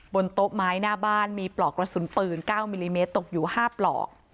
บนโต๊ะไม้หน้าบ้านมีปลอกกระสุนปืน๙มิลลิเมตรตกอยู่๕ปลอก